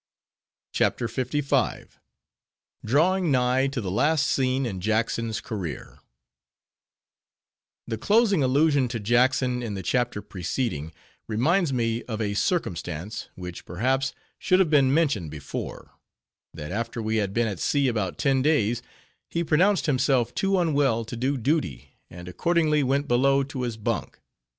CHAPTER LV. DRAWING NIGH TO THE LAST SCENE IN JACKSON'S CAREER The closing allusion to Jackson in the chapter preceding, reminds me of a circumstance—which, perhaps, should have been mentioned before—that after we had been at sea about ten days, he pronounced himself too unwell to do duty, and accordingly went below to his bunk.